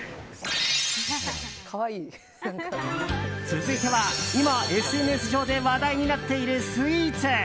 続いては今、ＳＮＳ上で話題になっているスイーツ。